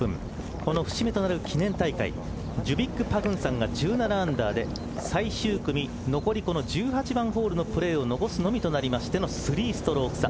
この節目となる記念大会ジュビック・パグンサンが１７アンダーで最終組、残り１８番ホールのプレーを残すのみとなりましての３ストローク差。